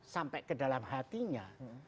sampai ke dalam hatinya